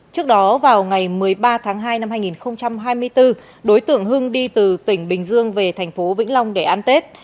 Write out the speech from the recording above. trước đó vào ngày một mươi ba tháng hai năm hai nghìn hai mươi bốn đối tượng hưng đi từ tỉnh bình dương về thành phố vĩnh long để ăn tết